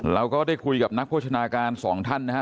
เราก็ได้คุยกับนักโภชนาการสองท่านนะฮะ